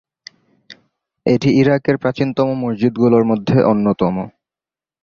এটি ইরাকের প্রাচীনতম মসজিদগুলোর মধ্যে অন্যতম।